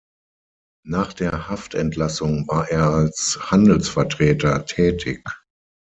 Nach der Haftentlassung war er als Handelsvertreter tätig.